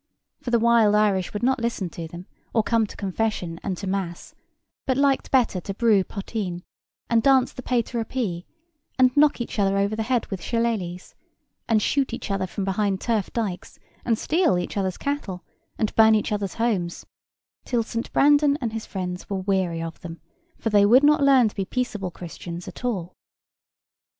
For the wild Irish would not listen to them, or come to confession and to mass, but liked better to brew potheen, and dance the pater o'pee, and knock each other over the head with shillelaghs, and shoot each other from behind turf dykes, and steal each other's cattle, and burn each other's homes; till St. Brandan and his friends were weary of them, for they would not learn to be peaceable Christians at all.